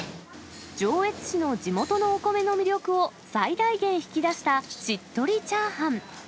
上越市の地元のお米の魅力を最大限引き出した、しっとり炒飯。